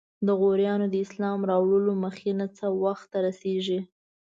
د غوریانو د اسلام راوړلو مخینه څه وخت ته رسیږي؟